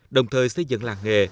đồng thời xây dựng làng nghề